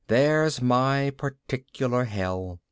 There's my particular hell!